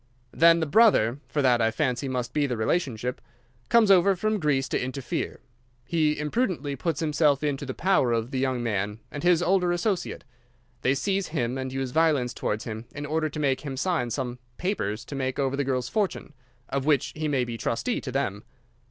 "Then the brother—for that, I fancy, must be the relationship—comes over from Greece to interfere. He imprudently puts himself into the power of the young man and his older associate. They seize him and use violence towards him in order to make him sign some papers to make over the girl's fortune—of which he may be trustee—to them.